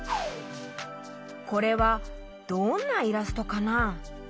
これはどんなイラストかな？